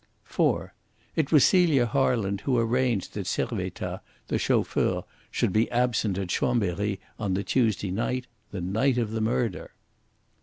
(4) It was Celia Harland who arranged that Servettaz, the chauffeur, should be absent at Chambery on the Tuesday night the night of the murder.